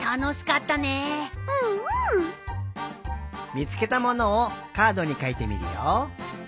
みつけたものをカードにかいてみるよ。